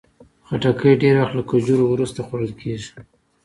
خټکی ډېر وخت له کجورو وروسته خوړل کېږي.